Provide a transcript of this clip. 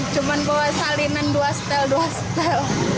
cuman kalau salinan dua setel dua setel